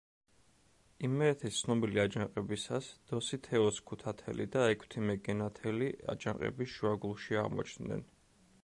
იმერეთის ცნობილი აჯანყებისას, დოსითეოს ქუთათელი და ექვთიმე გენათელი, აჯანყების შუაგულში აღმოჩნდნენ.